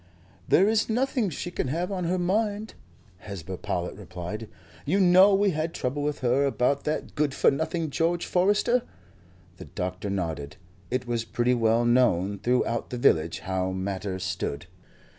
"There is nothing she can have on her mind," Hesba Powlett replied. "You know we had trouble with her about that good for nothing George Forester?" The doctor nodded. It was pretty well known throughout the village how matters stood.